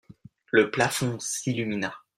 Le plafond s'illumina.